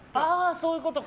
そういうことか！